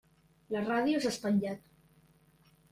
La ràdio s'ha espatllat.